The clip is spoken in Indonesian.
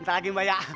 ntar lagi mbak ya